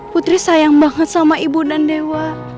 putri sayang banget sama ibu dan dewa